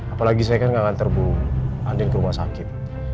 apalagi saya kan nggak nganter bu nganden ke rumah sakit